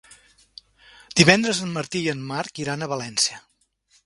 Divendres en Martí i en Marc iran a València.